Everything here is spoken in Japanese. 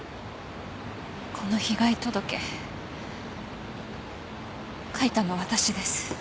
この被害届書いたのは私です。